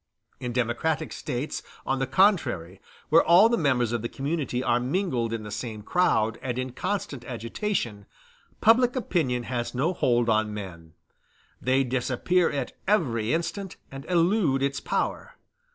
In democratic States on the contrary, where all the members of the community are mingled in the same crowd and in constant agitation, public opinion has no hold on men; they disappear at every instant, and elude its power.